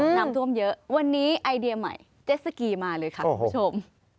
น้ำท่วมเยอะวันนี้ไอเดียใหม่เจ็ดสกีมาเลยค่ะคุณผู้ชม